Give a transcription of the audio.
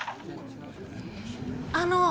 あの！